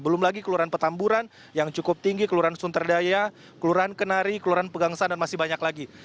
belum lagi kelurahan petamburan yang cukup tinggi kelurahan sunterdaya kelurahan kenari kelurahan pegangsan dan masih banyak lagi